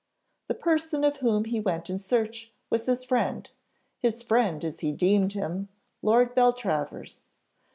The person of whom he went in search was his friend, his friend as he deemed him, Lord Beltravers.